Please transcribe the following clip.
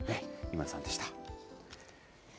井村さんでした。